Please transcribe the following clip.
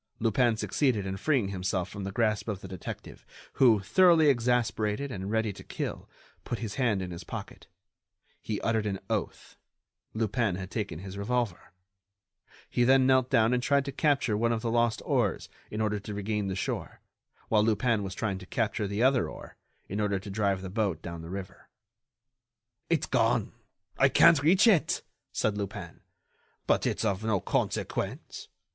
Lupin succeeded in freeing himself from the grasp of the detective, who, thoroughly exasperated and ready to kill, put his hand in his pocket. He uttered an oath: Lupin had taken his revolver. Then he knelt down and tried to capture one of the lost oars in order to regain the shore, while Lupin was trying to capture the other oar in order to drive the boat down the river. "It's gone! I can't reach it," said Lupin. "But it's of no consequence.